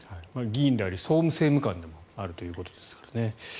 議員であり総務政務官でもあるということですから。